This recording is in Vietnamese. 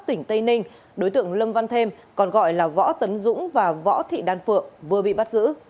tỉnh tây ninh đối tượng lâm văn thêm còn gọi là võ tấn dũng và võ thị đan phượng vừa bị bắt giữ